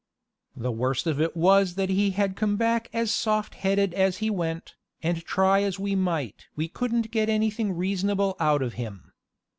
The worst of it was that he had come back as soft headed as he went, and try as we might, we couldn't get anything reasonable out of him.